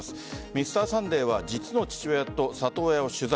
「Ｍｒ．サンデー」は実の父親と里親を取材。